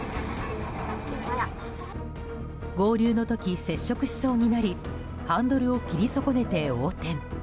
合流の時、接触しそうになりハンドルを切り損ねて横転。